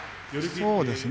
そうですね。